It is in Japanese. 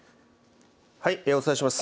お伝えします。